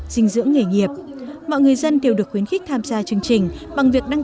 dinh dưỡng nghề nghiệp mọi người dân đều được khuyến khích tham gia chương trình bằng việc đăng